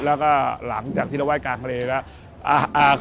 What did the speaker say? แล้วก็หลังจากที่เราไห้กลางทะเลแล้ว